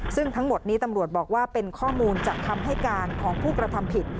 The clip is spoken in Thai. ซึ่งทั้งหมดนี้ตำรวจบอกว่าเป็นข้อมูลจากคำให้การของผู้กระทำผิด